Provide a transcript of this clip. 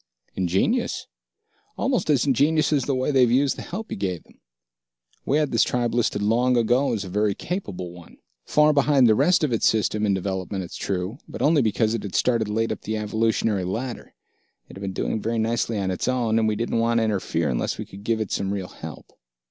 "Ingenious. Almost as ingenious as the way they've used the help you gave them. We had this tribe listed long ago as a very capable one, far behind the rest of its System in development, it's true, but only because it had started late up the evolutionary ladder. It had been doing very nicely on its own, and we didn't want to interfere unless we could give it some real help.